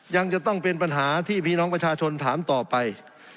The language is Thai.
ยังจะต้องเป็นปัญหาที่พี่น้องประชาชนถามต่อไป